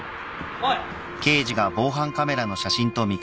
おい！